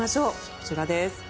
こちらです。